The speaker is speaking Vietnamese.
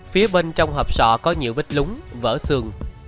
phía bên trong hộp sọ có nhiều vết lúng vỡ xương